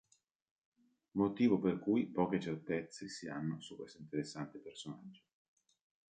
Motivo per cui poche certezze si hanno su questo interessante personaggio.